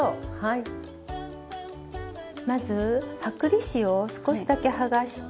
まず剥離紙を少しだけはがして。